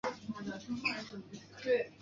黄晓明被评为电视剧四大小生之一。